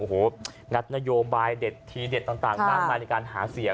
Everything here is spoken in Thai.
โอ้โหงัดนโยบายเด็ดทีเด็ดต่างมากมายในการหาเสียง